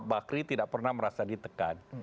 bakri tidak pernah merasa ditekan